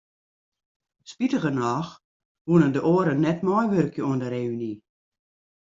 Spitigernôch woene de oaren net meiwurkje oan de reüny.